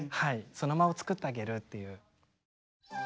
その「間」を作ってあげるという。